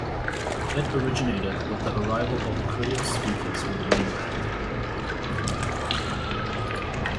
It originated with the arrival of Krio speakers from the mainland.